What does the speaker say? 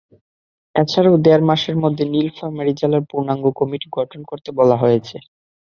এছাড়াও দেড় মাসের মধ্যে নীলফামারী জেলার পূর্ণাঙ্গ কমিটি গঠন করতে বলা হয়েছে।